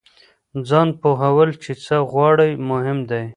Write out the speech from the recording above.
ځان پوهول چې څه غواړئ مهم دی.